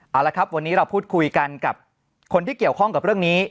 เอาละครับวันนี้เราพูดคุยกันกับคนที่เกี่ยวข้องกับเรื่องนี้